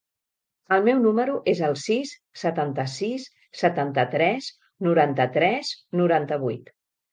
El meu número es el sis, setanta-sis, setanta-tres, noranta-tres, noranta-vuit.